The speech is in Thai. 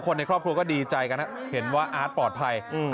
ในครอบครัวก็ดีใจกันเห็นว่าอาร์ตปลอดภัย